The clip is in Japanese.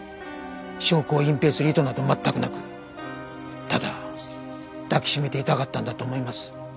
証拠を隠蔽する意図など全くなくただ抱きしめていたかったんだと思います。